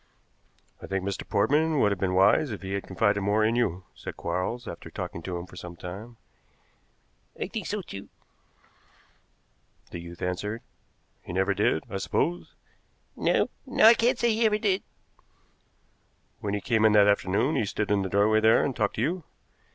"I think Mr. Portman would have been wise if he had confided more in you," said Quarles, after talking to him for some time. "I think so, too," the youth answered. "He never did, I suppose?" "No no, I cannot say he ever did." "When he came in that afternoon he stood in the doorway there and talked to you?"